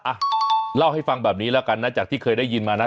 อ่ะเล่าให้ฟังแบบนี้แล้วกันนะจากที่เคยได้ยินมานะ